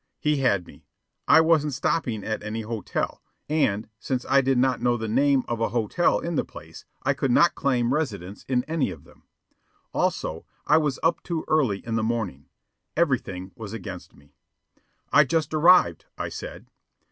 He had me. I wasn't stopping at any hotel, and, since I did not know the name of a hotel in the place, I could not claim residence in any of them. Also, I was up too early in the morning. Everything was against me. "I just arrived," I said.